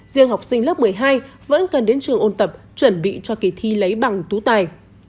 riêng học sinh lớp một mươi hai vẫn cần đến trường ôn tập chuẩn bị cho kỳ thi lấy bằng tú tài